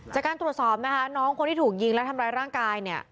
จากการตรวจสอบนะคะน้องคนที่ถูกยิงและทำร้ายร่างกายเนี่ย